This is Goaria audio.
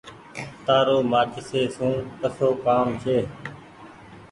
تآرو مآچيسي سون ڪسو ڪآم ڇي۔